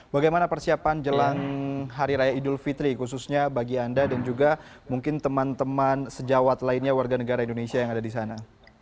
bagaimana persiapan jelang hari raya idul fitri khususnya bagi anda dan juga mungkin teman teman sejawat lainnya warga negara indonesia yang ada di sana